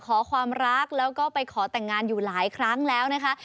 ขอความรักแล้วก็ไปขอแต่งงานอยู่หลายครั้งแล้วนะคะ